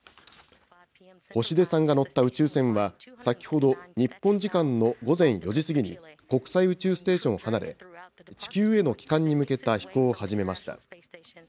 星出さんが乗った宇宙船は、先ほど、日本時間の午前４時過ぎに国際宇宙ステーションを離れ、地球への帰還に向けた飛行を始めました。